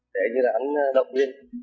để như là anh động viên